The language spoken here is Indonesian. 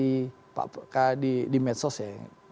membangun narasi pak pekah di medsos ya